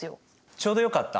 ちょうどよかった。